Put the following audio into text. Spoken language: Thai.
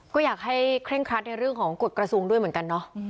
ก็อยากให้เคร่งครัดในเรื่องของกฎกระทรวงด้วยเหมือนกันเนาะ